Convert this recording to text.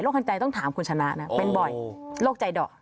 คันใจต้องถามคุณชนะนะเป็นบ่อยโรคใจดอก